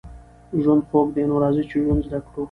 ژوند خوږ دی نو راځئ چې ژوند زده کړو